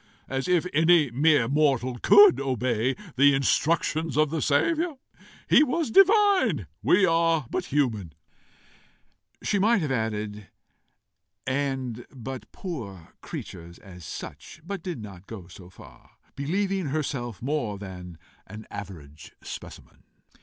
As if any mere mortal COULD obey the instructions of the Saviour! He was divine; we are but human!" She might have added, "And but poor creatures as such," but did not go so far, believing herself more than an average specimen.